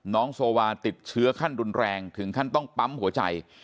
โซวาติดเชื้อขั้นรุนแรงถึงขั้นต้องปั๊มหัวใจ